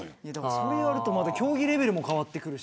そう言われると競技レベルも変わってくるし。